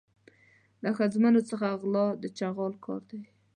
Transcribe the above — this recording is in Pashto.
له ښځمنو څخه غلا د چغال کار دی.